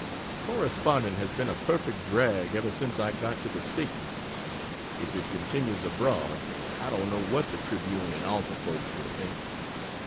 Corresponding has been a perfect drag ever since I got to the states. If it continues abroad, I don't know what the Tribune and Alta folks will think.